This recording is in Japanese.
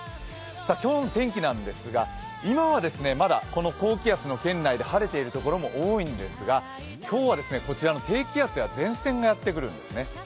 今日の天気なんですが、今はまだ高気圧の圏内で晴れている所も多いんですが今日は、こちらの低気圧や前線がやってくるんですね。